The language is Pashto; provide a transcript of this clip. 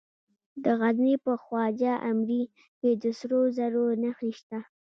د غزني په خواجه عمري کې د سرو زرو نښې شته.